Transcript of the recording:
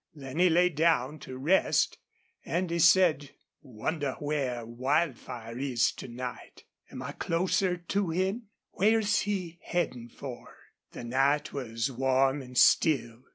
Then he lay down to rest, and he said: "Wonder where Wildfire is to night? Am I closer to him? Where's he headin' for?" The night was warm and still.